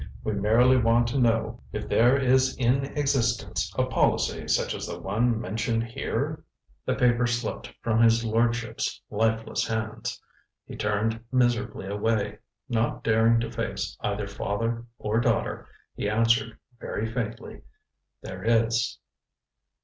"We merely want to know if there is in existence a policy such as the one mentioned here?" The paper slipped from his lordship's lifeless hands. He turned miserably away. Not daring to face either father or daughter, he answered very faintly: "There is."